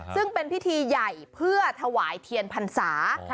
ซึ่งเป็นพิธีใหญ่เพื่อถวายเทียนพรรษา